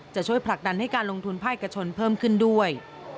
จะช่วยผลักดันให้การลงทุนภาคเอกชนเพิ่มขึ้นด้วย